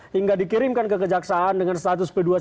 hingga dikirimkan kekejaksaan dengan status p dua puluh satu